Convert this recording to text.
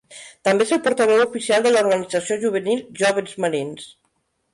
També és el portaveu oficial de l'organització juvenil "Joves Marins".